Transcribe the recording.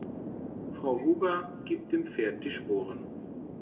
Frau Huber gibt dem Pferd die Sporen.